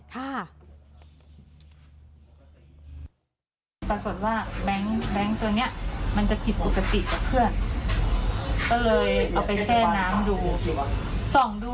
ปรากฏว่าแบงค์แบงค์ตัวนี้มันจะผิดปกติกับเพื่อน